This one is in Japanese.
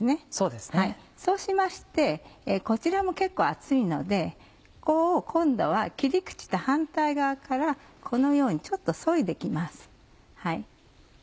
そうしましてこちらも結構厚いのでここを今度は切り口と反対側からこのようにちょっとそいで行きます。